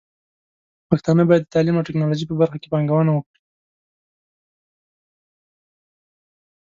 پښتانه بايد د تعليم او ټکنالوژۍ په برخه کې پانګونه وکړي.